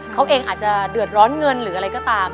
เขาเองอาจจะเดือดร้อนเงินหรืออะไรก็ตาม